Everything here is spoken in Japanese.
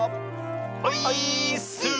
オイーッス！